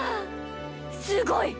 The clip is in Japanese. すごいっ。